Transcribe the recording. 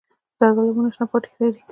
زردالو ونه شنه پاڼې لري.